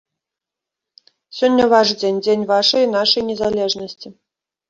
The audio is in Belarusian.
Сёння ваш дзень, дзень вашай і нашай незалежнасці.